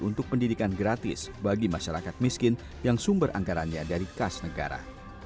untuk pendidikan gratis bagi masyarakat miskin yang sumber anggarannya dari kas negara